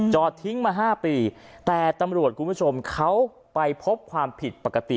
จอดทิ้งมา๕ปีแต่ตำรวจคุณผู้ชมเขาไปพบความผิดปกติ